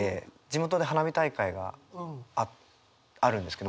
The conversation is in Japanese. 地元で花火大会があるんですけど毎年。